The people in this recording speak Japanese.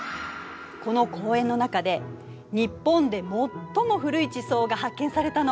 この公園の中で日本で最も古い地層が発見されたの。